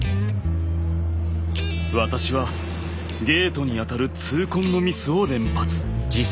私はゲートに当たる痛恨のミスを連発。